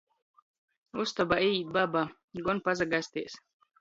Ustobā īīt baba: Gon pasagasteis!